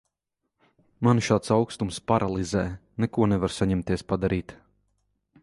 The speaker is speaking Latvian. Mani šāds aukstums paralizē, neko nevaru saņemties padarīt.